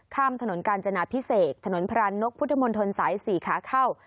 ข้ามถนนกาญจนาภิเษกถนนพระอนกพุทธมนต์ธนสาย๔ค้าเข้า